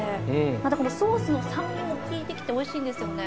またこのソースの酸味も利いてきて美味しいんですよね。